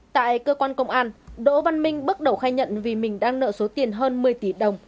tại cơ quan công an đỗ văn minh bước đầu khai nhận vì mình đang nợ số tiền hơn một mươi tỷ đồng